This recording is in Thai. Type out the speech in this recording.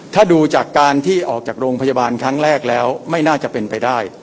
ถ้าดูจากการที่ออกจากโรงพยาบาลครั้งแรกแล้วไม่น่าจะเป็นไปได้